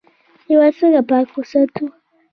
هیواد څنګه پاک وساتو؟